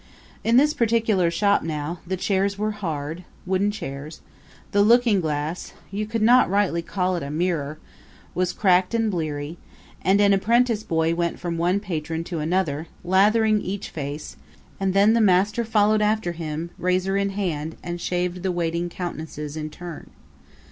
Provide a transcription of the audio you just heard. In this particular shop now the chairs were hard, wooden chairs; the looking glass you could not rightly call it a mirror was cracked and bleary; and an apprentice boy went from one patron to another, lathering each face; and then the master followed after him, razor in hand, and shaved the waiting countenances in turn.